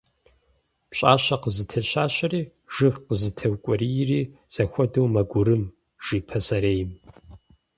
Пщӏащэ къызытещащэри, жыг къызытеукӏуриери зэхуэдэу мэгурым, жи пасэрейм.